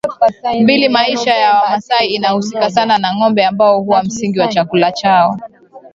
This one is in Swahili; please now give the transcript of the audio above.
mbili Maisha ya Wamasai inahusika sana na ngombe ambao huwa msingi wa chakula chao